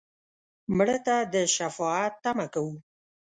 مړه ته د شفاعت تمه کوو